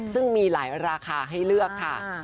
ซึ่งมีหลายราคาให้เลือกค่ะ